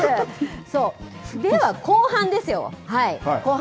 そう、では、後半ですよ、後半。